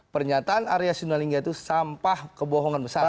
pernyataan arya sundalingga itu sampah kebohongan besar